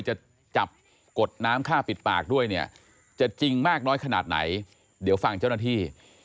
จะจับกดน้ำฆ่าปิดปากด้วยเนี่ยจะจริงมากน้อยขนาดไหนเดี๋ยวฟังเจ้าหน้าที่